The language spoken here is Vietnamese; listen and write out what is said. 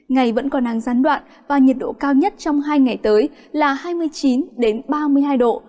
ngày vẫn còn nắng gián đoạn và nhiệt độ cao nhất trong hai ngày tới là hai mươi chín ba mươi hai độ